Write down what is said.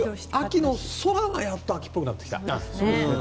空がやっと秋っぽくなってきた。